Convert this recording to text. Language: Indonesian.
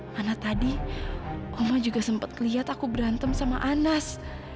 karena tadi oma juga sempat lihat aku berantem sama anas